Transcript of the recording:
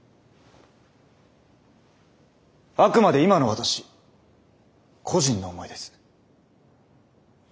あくまで今の私個人の思いです。